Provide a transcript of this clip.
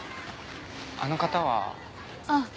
あの方は？あっ。